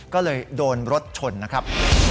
ก็เลยโดนรถชนนะครับ